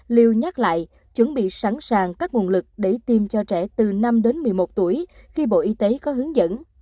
lưu nhắc lại chuẩn bị sẵn sàng các nguồn lực để tiêm cho trẻ từ năm đến một mươi một tuổi khi bộ y tế có hướng dẫn